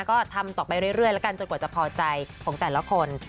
ก็ทำต่อไปเรื่อยแล้วกันจนกว่าจะพอใจของแต่ละคน